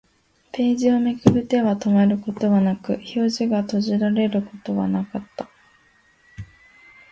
ページをめくる手は止まることはなく、表紙が閉じられることはなく